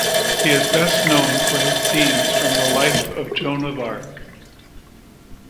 He is best known for his scenes from the life of Joan of Arc.